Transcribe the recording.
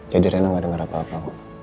jadi reina gak denger apa apa